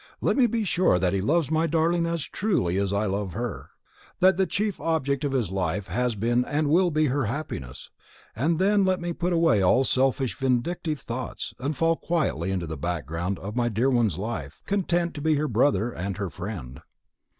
Let me be sure that he loves my darling as truly as I love her, that the chief object of his life has been and will be her happiness, and then let me put away all selfish vindictive thoughts, and fall quietly into the background of my dear one's life, content to be her brother and her friend."